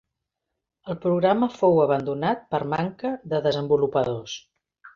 El programa fou abandonat per manca de desenvolupadors.